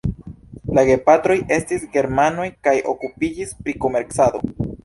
La gepatroj estis germanoj kaj okupiĝis pri komercado.